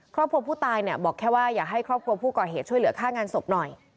ครอบครัวผู้ตายเนี่ยบอกแค่ว่าอยากให้ครอบครัวผู้ก่อเหตุช่วยเหลือค่างานศพหน่อย